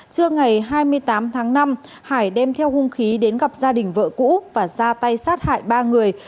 trưa ngày hai mươi tám tháng năm hải đem theo hung khí đến gặp gia đình vợ cũ và ra tay sát hại ba người